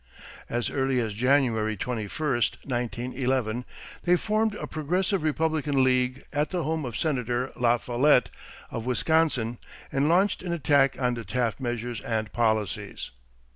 As early as January 21, 1911, they formed a Progressive Republican League at the home of Senator La Follette of Wisconsin and launched an attack on the Taft measures and policies.